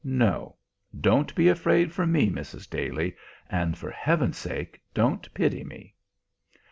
No; don't be afraid for me, Mrs. Daly, and for Heaven's sake don't pity me!"